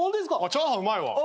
チャーハンうまいわ。